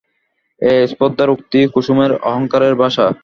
এ স্পর্ধার উক্তি কুসুমের, অহংকারের ভাষা।